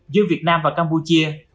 giữa việt nam và campuchia